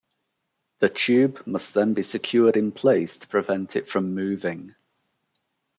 The tube must then be secured in place to prevent it from moving.